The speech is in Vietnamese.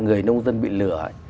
người nông dân bị lừa